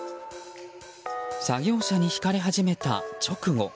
作業車にひかれ始めた直後。